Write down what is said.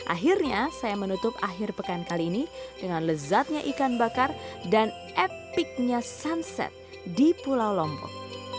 akhirnya saya menutup akhir pekan kali ini dengan lezatnya ikan bakar dan epiknya sunset di pulau lombok